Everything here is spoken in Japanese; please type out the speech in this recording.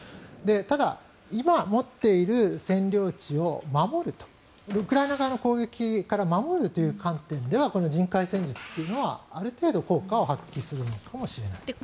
ただ今、持っている占領地を守るウクライナ側の攻撃から守るという観点では人海戦術というのはある程度効果を発揮するのかもしれないです。